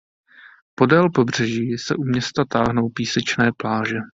Podél pobřeží se u města táhnou písečné pláže.